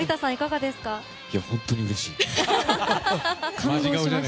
本当にうれしい。